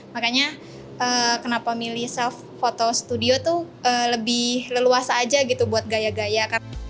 makanya kenapa milih self photo studio tuh lebih leluasa aja gitu buat gaya gaya